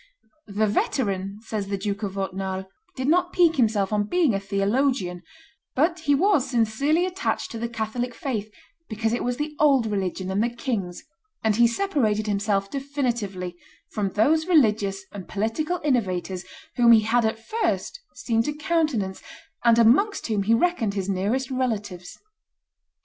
"The veteran," says the Duke of Autnale, "did not pique himself on being a theologian; but he was sincerely attached to the Catholic faith because it was the old religion and the king's; and he separated himself definitively from those religious and political innovators whom he had at first seemed to countenance, and amongst whom he reckoned his nearest relatives."